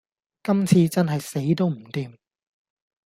今次真係死都唔掂